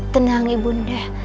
tenang ibu nda